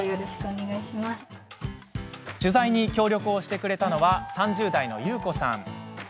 取材に協力をしてくれたのは３０代のゆうこさん。